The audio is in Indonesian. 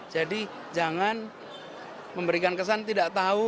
jadi jangan memberikan kesan tidak tahu